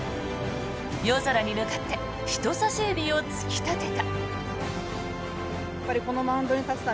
夜空に向かって人さし指を突き立てた。